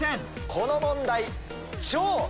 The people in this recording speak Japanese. この問題。